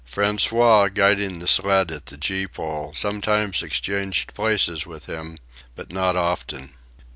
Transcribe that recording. François, guiding the sled at the gee pole, sometimes exchanged places with him, but not often.